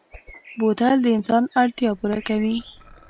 بوتل د انسان اړتیا پوره کوي.